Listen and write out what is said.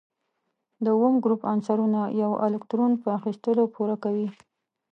د اووم ګروپ عنصرونه یو الکترون په اخیستلو پوره کوي.